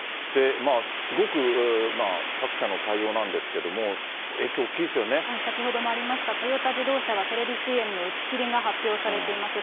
すごく各社の対応なんですけど、先ほどもありました、トヨタ自動車はテレビＣＭの打ち切りが発表されています。